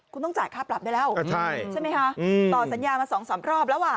คุณต้องจ่ายค่าปรับได้แล้วใช่ไหมคะต่อสัญญามา๒๓รอบแล้วอ่ะ